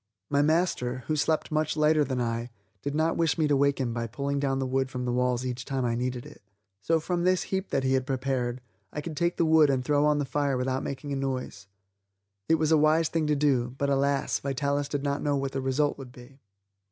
My master, who slept much lighter than I, did not wish me to wake him by pulling down the wood from the walls each time I needed it. So from this heap that he had prepared, I could take the wood and throw on the fire without making a noise. It was a wise thing to do, but alas, Vitalis did not know what the result would be.